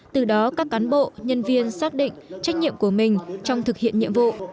từ đó các cán bộ nhân viên xác định trách nhiệm của mình trong thực hiện nhiệm vụ